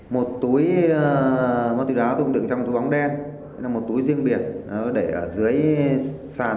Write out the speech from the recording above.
một túi ma túy đá tung được trong túi bóng đen một túi riêng biệt để ở dưới sàn